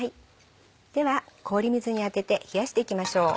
では氷水に当てて冷やしていきましょう。